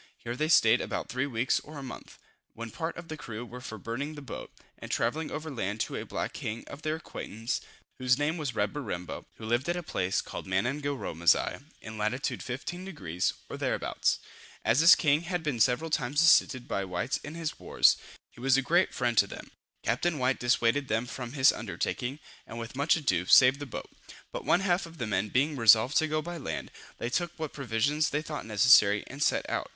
Here they stayed about three weeks or a month, when part of the crew were for burning the boat, and travelling over land to a black king of their acquaintance, whose name was Reberimbo, who lived at a place called Manangaromasigh, in lat. 15 deg. or thereabouts. As this king had been several times assisted by the whites in his wars, he was a great friend to them. Captain White dissuaded them from this undertaking, and with much ado, saved the boat; but one half of the men being resolved to go by land, they took what provisions they thought necessary, and set out.